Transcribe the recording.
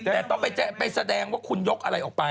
แต่ต้องไปแสดงว่าคุณยกอะไรออกไป